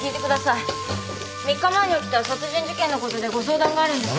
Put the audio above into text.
３日前に起きた殺人事件のことでご相談があるんです。